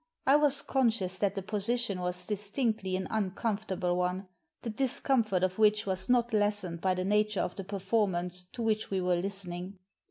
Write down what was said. I was con scious that the position was distinctly an uncomfort able one, the discomfort of which was not lessened by the nature of the performance to which we were listening.